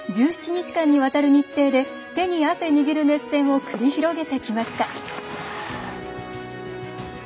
１７日間にわたる日程で手に汗握る熱戦を繰り広げてきました。